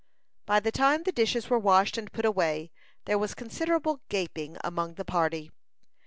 By the time the dishes were washed and put away, there was considerable gaping among the party.